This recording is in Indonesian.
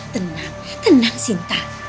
tenang tenang sinta